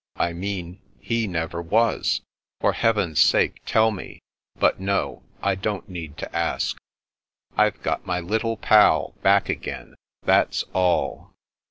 I mean, he never was — for heaven's sake tell me — ^but no, I don't need to ask. I've got my Little Pal back again, that's all."